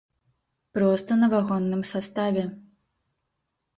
Проста на вагонным саставе.